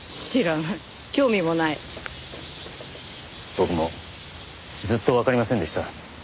僕もずっとわかりませんでした。